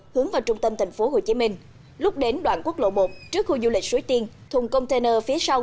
hướng vào trung tâm tp hcm lúc đến đoạn quốc lộ một trước khu du lịch suối tiên thùng container phía sau